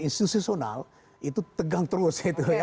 institusional itu tegang terus